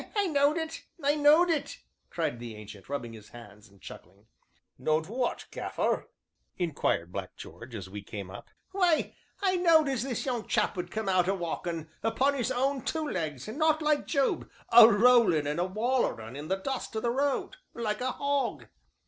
"I knowed it! I knowed it!" cried the Ancient, rubbing his hands and chuckling. "Knowed what, Gaffer?" inquired Black George, as we came up. "Why, I knowed as this young chap would come out a walkin' 'pon his own two legs, and not like Job, a rollin' and a wallerin' in the dust o' th' road like a hog."